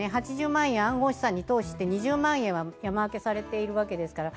８０万円、暗号資産に投資して２０万円は山分けされているわけですから。